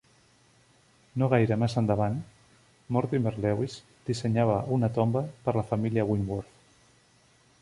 No gaire més endavant, Mortimer Lewis dissenyava una tomba per la família Wentworth.